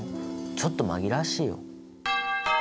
ちょっと紛らわしいよ。